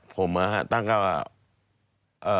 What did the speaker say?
ผมตั้งก็ว่า